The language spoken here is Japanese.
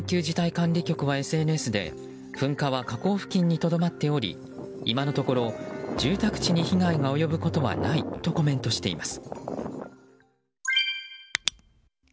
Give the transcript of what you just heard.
管理局はＳＮＳで噴火は火口付近にとどまっており今のところ、住宅地に被害が及ぶことはないとコメントしています。